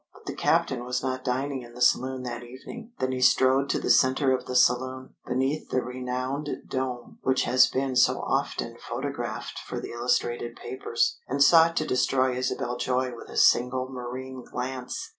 But the captain was not dining in the saloon that evening. Then he strode to the centre of the saloon, beneath the renowned dome which has been so often photographed for the illustrated papers, and sought to destroy Isabel Joy with a single marine glance.